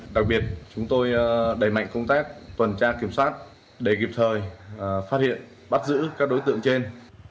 đặc biệt chúng tôi đẩy mạnh công tác tuần tra kiểm soát gây ra sự bắt giữ đối tượng trên